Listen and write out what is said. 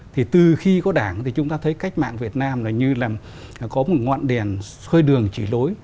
thì từ khi có đảng thì chúng ta thấy cách mạng việt nam là như là có một ngọn đèn xoay đường chỉ lối